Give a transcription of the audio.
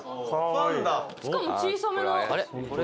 「しかも小さめの」